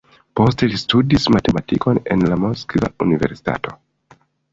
Poste li studis matematikon en la Moskva Universitato.